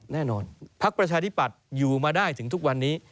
พักประชาธิปัตย์อยู่มาได้ถึงทุกวันนี้